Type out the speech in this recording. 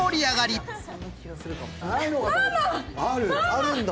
あるんだ！